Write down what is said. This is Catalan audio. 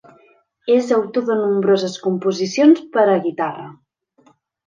És autor de nombroses composicions per a guitarra.